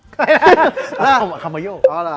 คามาโย